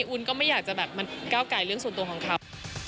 อุ้นก็ไม่อยากจะแบบมันก้าวไก่เรื่องส่วนตัวของเขา